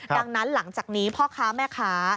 ดังนั้นหลังจากนี้พ่อค้าแม่ค้า